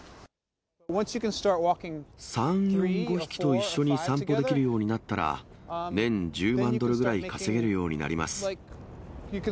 ３、４、５匹と一緒に散歩できるようになったら、年１０万ドルぐらい稼げるようになります。